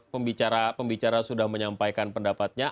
pembicara sudah menyampaikan pendapatnya